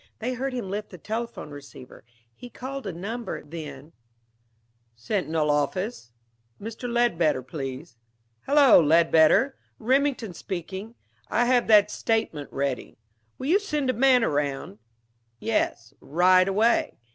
They heard him lift the telephone receiver. He called a number. Then "Sentinel office?... Mr. Ledbetter, please.... Hello, Ledbetter! Remington speaking. I have that statement ready. Will you send a man around?... Yes, right away.